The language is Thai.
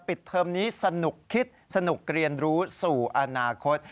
เทอมนี้สนุกคิดสนุกเรียนรู้สู่อนาคต